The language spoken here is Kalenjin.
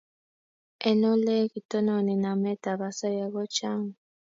Eng' ole kitononi namet ab asoya ko chang'